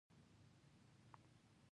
د بې روزګارۍ رامینځته کېدل حل نه لري.